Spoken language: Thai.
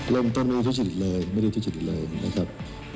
เริ่มต้นไม่ได้ทุจริตเลยไม่ได้ทุจริตเลยนะครับ